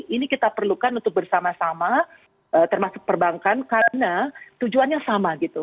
ini kita perlukan untuk bersama sama termasuk perbankan karena tujuannya sama gitu